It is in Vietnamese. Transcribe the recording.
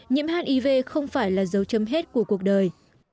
nhiễm hiv không phải là dấu chấm hết của cuộc đời